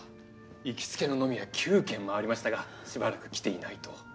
行きつけの飲み屋９軒回りましたがしばらく来ていないと。